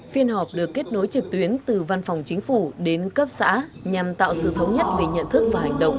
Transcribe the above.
phiên họp được kết nối trực tuyến từ văn phòng chính phủ đến cấp xã nhằm tạo sự thống nhất về nhận thức và hành động